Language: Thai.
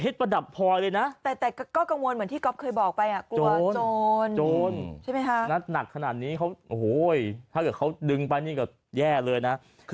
เชื่อมั้ยมันกลายเป็นแฟชั่นอ่ะ